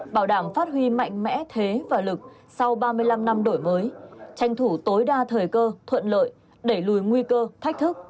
bảo đảm phát huy mạnh mẽ thế và lực sau ba mươi năm năm đổi mới tranh thủ tối đa thời cơ thuận lợi đẩy lùi nguy cơ thách thức